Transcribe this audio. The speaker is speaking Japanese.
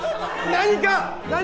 何か！